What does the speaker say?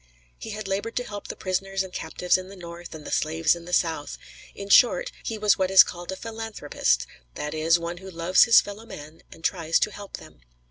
He had labored to help the prisoners and captives in the North, and the slaves in the South; in short he was what is called a philanthropist, that is, one who loves his fellow men and tries to help them.